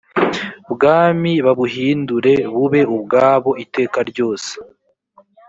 bwami babuhind re bube ubwabo iteka ryose